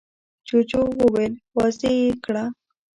جوجو وويل: واضح يې کړه!